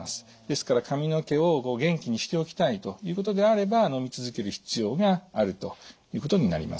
ですから髪の毛を元気にしておきたいということであればのみ続ける必要があるということになります。